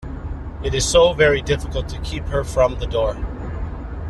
It is so very difficult to keep her from the door.